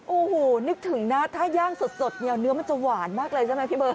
โอ้โหนึกถึงนะถ้าย่างสดเนี่ยเนื้อมันจะหวานมากเลยใช่ไหมพี่เบิร์